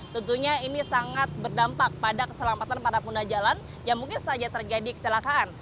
tentunya ini sangat berdampak pada keselamatan para pengguna jalan yang mungkin saja terjadi kecelakaan